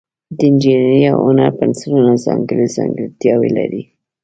د انجینرۍ او هنر پنسلونه ځانګړي ځانګړتیاوې لري.